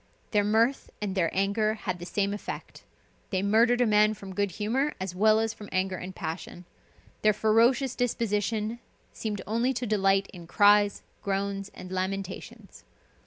Their mirth and their anger had the same effect. They murdered a man from good humor, as well as from anger and passion. Their ferocious disposition seemed only to delight in cries, groans, and lamentations.